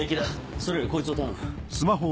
それよりこいつを頼む。